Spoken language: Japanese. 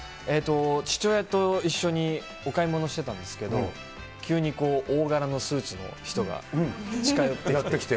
父親と一緒にお買い物してたんですけど、急にこう、大柄のスーツの人が近寄ってきて。